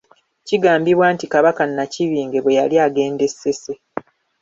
Kigambibwa nti Kabaka Nnakibinge bwe yali agenda e Ssese .